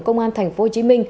công an tp hcm